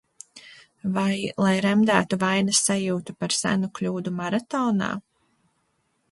Vai lai remdētu vainas sajūtu par senu kļūdu Maratonā?